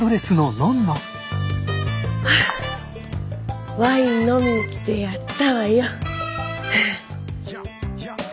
はあワイン飲みに来てやったわよ。